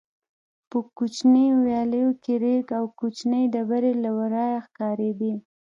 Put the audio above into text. په کوچنیو ویالو کې رېګ او کوچنۍ ډبرې له ورایه ښکارېدې.